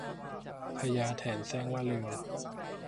พญาแถนแสร้งว่าลืม